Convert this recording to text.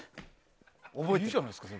いいじゃないですか。